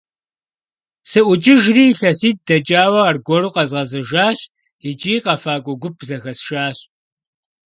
СыӀукӀыжри, илъэситӀ дэкӀауэ аргуэру къэзгъэзэжащ икӀи къэфакӀуэ гуп зэхэсшащ.